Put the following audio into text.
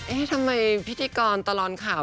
เอ๊ะทำไมพิธีกรตลอนข่าว